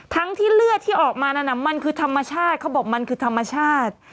ทั้งที่เลือดที่ออกมานั้นมันคือธรรมชาติ